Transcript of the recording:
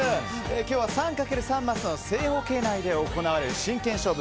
今日は３×３マスの正方形内で行われる真剣勝負